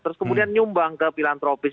terus kemudian nyumbang ke filantropis